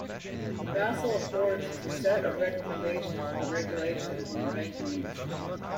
The Basel Accords is a set of recommendations for regulations in the banking industry.